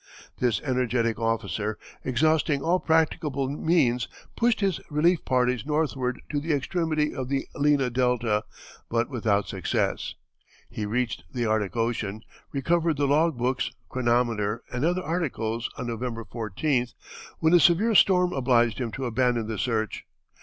This energetic officer, exhausting all practicable means, pushed his relief parties northward to the extremity of the Lena Delta, but without success. He reached the Arctic Ocean, recovered the log books, chronometer, and other articles on November 14th, when a severe storm obliged him to abandon the search.